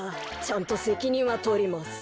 ちゃんとせきにんはとります。